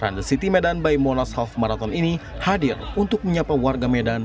randa city medan by monashalf marathon ini hadir untuk menyapa warga medan